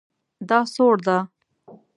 دا سوړ ده